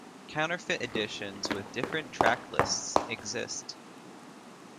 Counterfeit editions with different track lists exist.